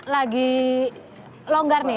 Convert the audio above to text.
pergi longgar nih